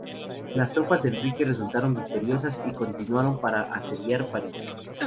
Las tropas de Enrique resultaron victoriosas y continuaron para asediar París.